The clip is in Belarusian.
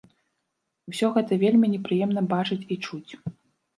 Усё гэта вельмі непрыемна бачыць і чуць.